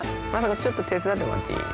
ちょっと手伝ってもらっていい？